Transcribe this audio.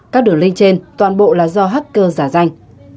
các đường linh trên toàn bộ là do hacker giả danh